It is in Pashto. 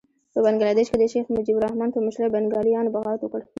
په بنګه دېش کې د شیخ مجیب الرحمن په مشرۍ بنګالیانو بغاوت وکړ.